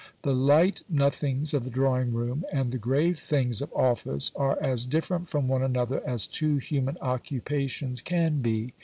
The light nothings of the drawing room and the grave things of office are as different from one another as two human occupations can be.